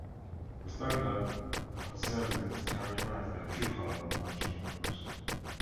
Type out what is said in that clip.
The standard observer is characterized by three "color matching functions".